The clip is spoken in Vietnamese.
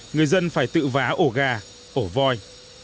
người dân phải tự vá ổ gà ổ voi